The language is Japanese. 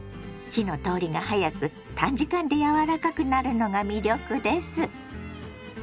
火の通りが早く短時間で柔らかくなるのが魅力です。